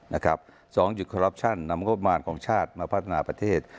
๒หยุดคอรับชันนำงบมารของชาติมาพัฒนาประเทศ